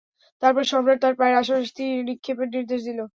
তারপর সম্রাট তাঁর পায়ের আশেপাশে তীর নিক্ষেপের নির্দেশ দিল।